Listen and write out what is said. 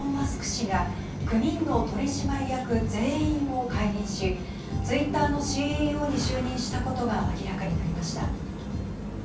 氏が９人の取締役、全員を解任しツイッターのＣＥＯに就任したことが明らかになりました。